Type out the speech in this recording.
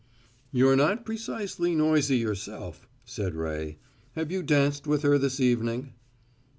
"You're not precisely noisy yourself," said Ray. "Have you danced with her this evening?"